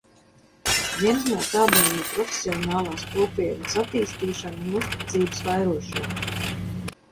Viens no tādiem ir profesionālās kopienas attīstīšana un uzticības vairošana.